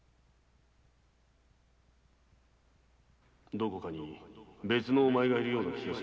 どこかに別のお前がいるような気がす